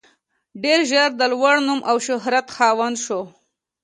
ډېر ژر د لوړ نوم او شهرت خاوند شو.